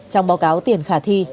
trong báo cáo tiền khả thi